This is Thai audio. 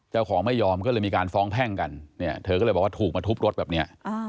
เจ้าของไม่ยอมก็เลยมีการฟ้องแพ่งกันเนี่ยเธอก็เลยบอกว่าถูกมาทุบรถแบบนี้